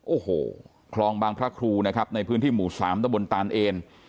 โอ้โหคลองบางพระครูนะครับในพื้นที่หมู่สามตะบนตานเอน